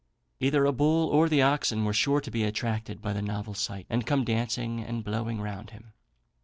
Either a bull or the oxen were sure to be attracted by the novel sight, and come dancing and blowing round him.